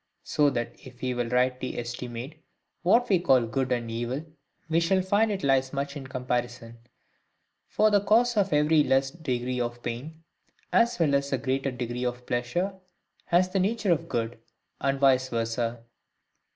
So that if we will rightly estimate what we call good and evil, we shall find it lies much in comparison: for the cause of every less degree of pain, as well as every greater degree of pleasure, has the nature of good, and vice versa.